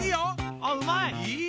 あっうまい！